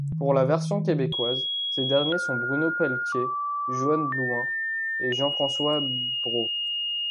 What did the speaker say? Pour la version québécoise, ces derniers sont Bruno Pelletier, Johanne Blouin et Jean-François Breau.